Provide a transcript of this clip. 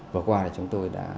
vừa qua chúng tôi đã